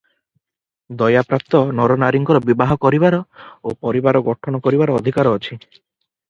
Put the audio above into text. ଦୟା ପ୍ରାପ୍ତ ନରନାରୀଙ୍କର ବିବାହ କରିବାର ଓ ପରିବାର ଗଠନ କରିବାର ଅଧିକାର ଅଛି ।